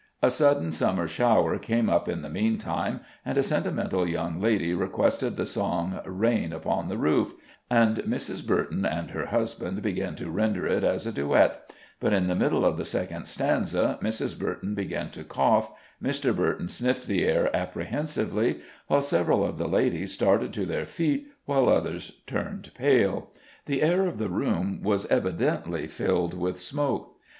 A sudden Summer shower came up in the meantime, and a sentimental young lady requested the song "Rain upon the Roof," and Mrs. Burton and her husband began to render it as a duet; but in the middle of the second stanza Mrs. Burton began to cough, Mr. Burton sniffed the air apprehensively, while several of the ladies started to their feet while others turned pale. The air of the room was evidently filled with smoke.